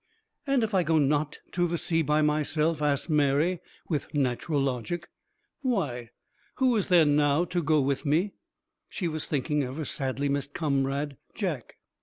"And if I go not to the sea by myself," asked Mary, with natural logic, "why, who is there now to go with me?" She was thinking of her sadly missed comrade, Jack.